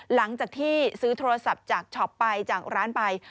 หลังจากที่ซื้อโทรศัพท์จากช็อปไปจากร้านไป